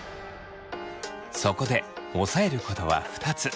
そこで押さえることは２つ。